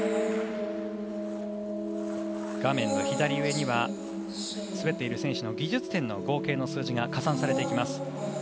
画面の左上には滑っている選手の技術点の合計の数値が加算されていきます。